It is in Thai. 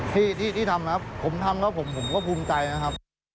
ที่ทำครับผมทำแล้วผมก็ภูมิใจนะครับ